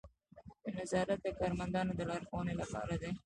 نظارت د کارمندانو د لارښوونې لپاره دی.